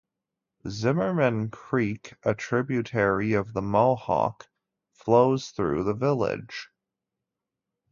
Zimmermann Creek, a tributary of the Mohawk, flows through the village.